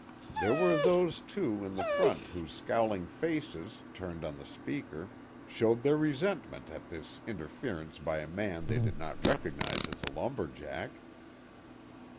There were those, too, in the front whose scowling faces, turned on the speaker, showed their resentment at this interference by a man they did not recognize as a lumber jack.